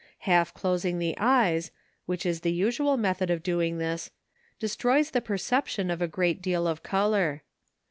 Half closing the eyes, which is the usual method of doing this, destroys the perception of a great deal of colour.